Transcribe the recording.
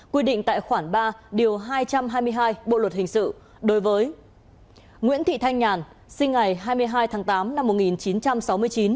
quy định tại khoản ba điều hai trăm hai mươi hai bộ luật hình sự đối với nguyễn thị thanh nhàn sinh ngày hai mươi hai tháng tám năm